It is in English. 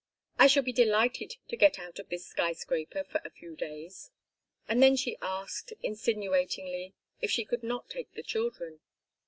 I shall be delighted to get out of this skyscraper for a few days." And then she asked, insinuatingly, if she could not take the children.